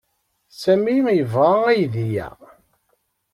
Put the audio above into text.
Sami yebɣa aydi-a.